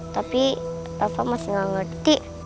tapi apa masih gak ngerti